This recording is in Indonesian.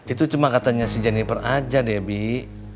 itu cuma katanya si jenniper aja debbie